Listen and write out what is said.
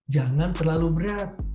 jangan terlalu berat